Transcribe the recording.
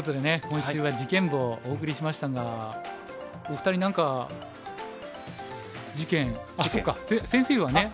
今週は事件簿をお送りしましたがお二人何か事件あっそっか先生はね。